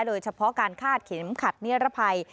โดยเฉพาะการคาดเข็มขัดนิรภัย